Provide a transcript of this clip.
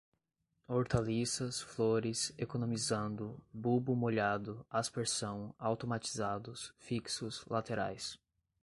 hortaliças, flores, economizando, bulbo molhado, aspersão, automatizados, fixos, laterais